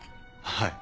はい。